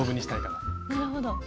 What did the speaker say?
なるほど。